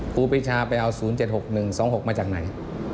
ครูปีชาไปเอา๐๗๖๑๒๖มาจากไหน